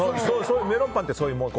メロンパンってそういうもの。